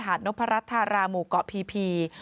หานพระรัชธารามุกเกาะพี